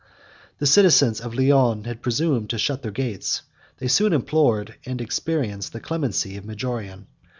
The citizens of Lyons had presumed to shut their gates; they soon implored, and experienced, the clemency of Majorian.